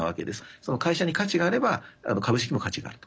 その会社に価値があれば株式も価値があると。